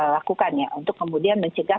lakukan ya untuk kemudian mencegah